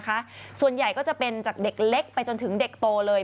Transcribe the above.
ส่วนใหญ่ก็จะเป็นจากเด็กเล็กไปจนถึงเด็กโตเลย